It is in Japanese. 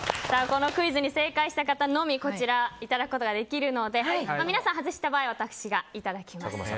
このクイズに正解した方のみこちらいただくことができるので皆さん外した場合は私がいただきます。